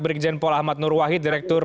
berikjenpol ahmad nurwahid direktur